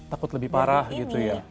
takut lebih parah gitu ya